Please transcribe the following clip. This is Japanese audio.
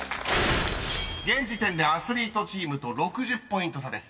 ［現時点でアスリートチームと６０ポイント差です］